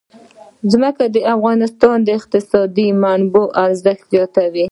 ځمکه د افغانستان د اقتصادي منابعو ارزښت زیاتوي.